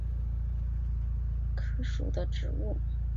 柄果柯是壳斗科柯属的植物。